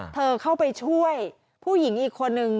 เธอเข้าไปช่วยผู้หญิงอีกคนนึง